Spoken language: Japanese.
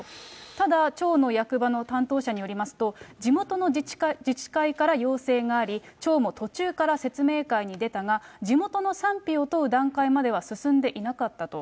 ただ、町の役場の担当者によりますと、地元の自治会から要請があり、町も途中から説明会に出たが、地元の賛否を問う段階までは進んでいなかったと。